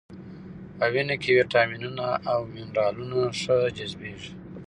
په وینه کې ویټامینونه او منرالونه ښه جذبېږي.